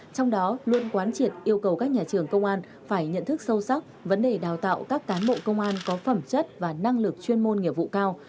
trong đó luôn quán triệt yêu cầu các nhà trường công an phải nhận thức sâu sắc vấn đề đào tạo các cán bộ công an có phẩm chất và năng lực chuyên môn nghiệp vụ cao